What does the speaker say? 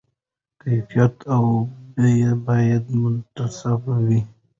کیفیت او بیه باید متناسب وي.